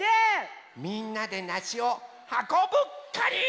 みんなでなしをはこぶカニ！